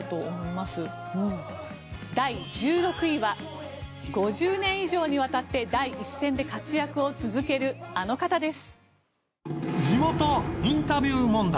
第１６位は５０年以上にわたって第一線で活躍を続けるあの方です。